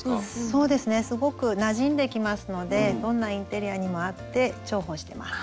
そうですねすごくなじんできますのでどんなインテリアにも合って重宝してます。